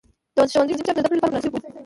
د ښوونځي چاپېریال د زده کړې لپاره مناسب و.